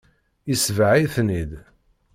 Yesbeɣ-iten-id.